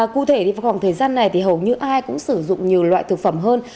cụ thể thì vào khoảng thời gian này thì hầu như ai cũng sử dụng nhiều loại thực phẩm hơn